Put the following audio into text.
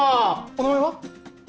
お名前は？